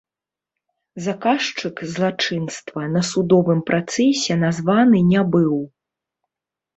Заказчык злачынства на судовым працэсе названы не быў.